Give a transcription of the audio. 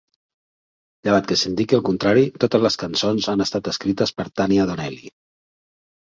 "Llevat que s'indiqui el contrari, totes les cançons han estat escrites per Tanya Donelly".